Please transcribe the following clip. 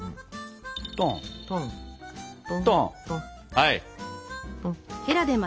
はい。